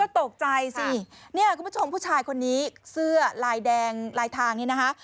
ตกใจสิเนี่ยคุณผู้ชมผู้ชายคนนี้เสื้อลายแดงลายทางนี่นะคะ